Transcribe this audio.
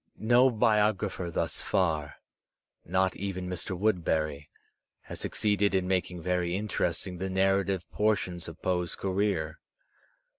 No biographer thus far, not even Mr. Woodberry, has succeeded in making very interesting the narrative por tions of Poe*s creer.